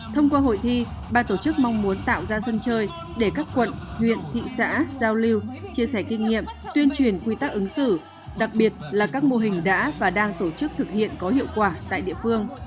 thông qua hội thi ba tổ chức mong muốn tạo ra sân chơi để các quận huyện thị xã giao lưu chia sẻ kinh nghiệm tuyên truyền quy tắc ứng xử đặc biệt là các mô hình đã và đang tổ chức thực hiện có hiệu quả tại địa phương